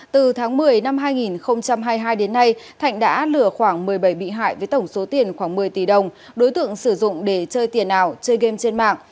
từ tháng một mươi năm hai nghìn hai mươi hai đến nay thạnh đã lừa khoảng một mươi bảy bị hại với tổng số tiền khoảng một mươi tỷ đồng đối tượng sử dụng để chơi tiền ảo chơi game trên mạng